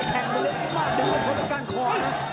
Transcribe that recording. มากเล่นให้ผลกลางควอง